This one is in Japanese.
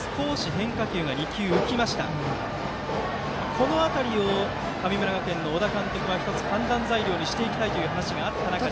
この辺りを神村学園の小田監督は１つ判断材料にしていきたいという話があった中で。